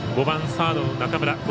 ５番、サード、中村。